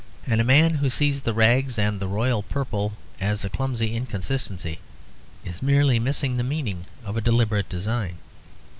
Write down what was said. And a man who sees the rags and the royal purple as a clumsy inconsistency is merely missing the meaning of a deliberate design.